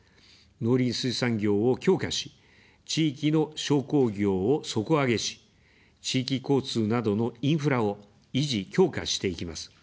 農林水産業を強化し、地域の商工業を底上げし、地域交通などのインフラを維持・強化していきます。